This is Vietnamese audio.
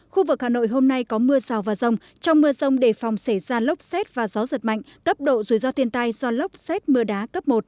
khu vực hà nội hôm nay có mưa rào và rông trong mưa rông đề phòng xảy ra lốc xét và gió giật mạnh cấp độ rủi ro thiên tai do lốc xét mưa đá cấp một